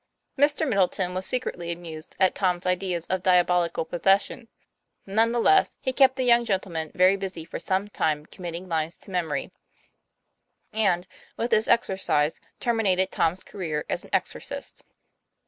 Mr. Middleton was secretly amused at Tom's ideas of diabolical possession; none the less, he kept that young gentleman very busy for some time commit ting lines to memory; and with this exercise termi nated Tom's career as an exorcist.